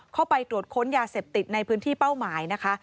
เข้าไปตรวจค้นยาเสพติดในพื้นที่เป้าหมายนะคะ